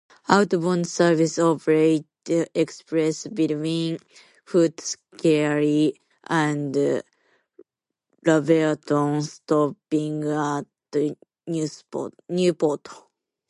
Outbound services operate express between Footscray and Laverton, stopping at Newport.